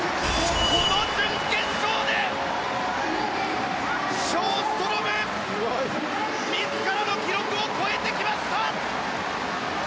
この準決勝でショーストロム自らの記録を超えてきました！